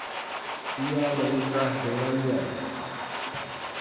Ia menikah dengannya.